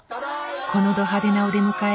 このど派手なお出迎え